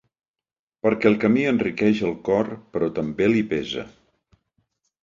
Perquè el camí enriqueix el cor però també li pesa.